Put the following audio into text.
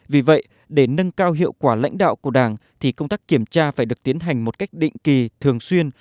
vì vậy để nâng cao hiệu quả lãnh đạo của đảng thì công tác kiểm tra phải được tiến hành một cách định kỳ thường xuyên